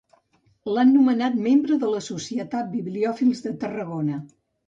L'han nomenat membre de la societat Bibliòfils de Tarragona.